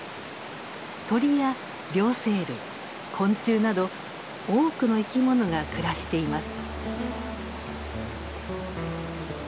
鳥や両生類昆虫など多くの生き物が暮らしています。